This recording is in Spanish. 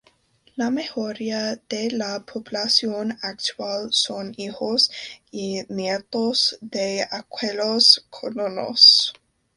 La mayoría de la población actual son hijos y nietos de aquellos colonos.